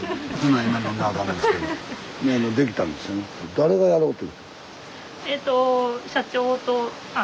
誰がやろうと？